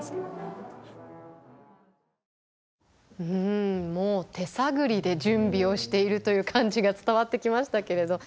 うんもう手探りで準備をしているという感じが伝わってきましたけれど。